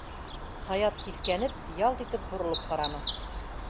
Хаят һиҫкәнеп, ялт итеп боролоп ҡараны.